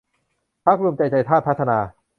พรรครวมใจไทยชาติพัฒนา